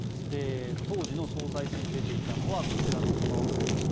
当時の総裁選に出ていたのはこちらの顔触れでした。